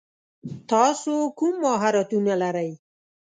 تاسو کوم مهارتونه لری ؟